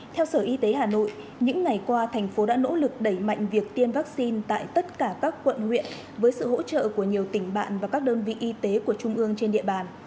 theo sở y tế hà nội những ngày qua thành phố đã nỗ lực đẩy mạnh việc tiêm vaccine tại tất cả các quận huyện với sự hỗ trợ của nhiều tỉnh bạn và các đơn vị y tế của trung ương trên địa bàn